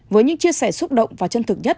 với những chia sẻ xúc động và chân thực nhất